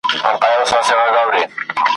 او د ده شپې به خالي له انګولا وي `